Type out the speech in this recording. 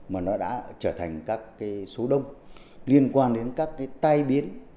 mà nó đã trở thành các cái số đông liên quan đến các cái tai biến